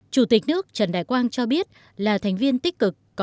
chủ tịch nước trần đại quang cho biết là thành viên tích cực